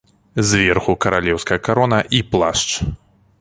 Зверху каралеўская карона і плашч.